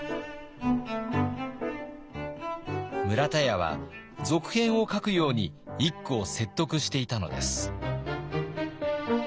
村田屋は続編を書くように一九を説得していたのです。